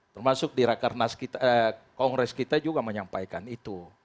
termasuk di rakernas kongres kita juga menyampaikan itu